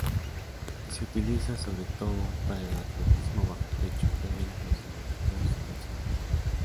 Se utiliza sobre todo para el atletismo bajo techo, eventos de motocross y conciertos.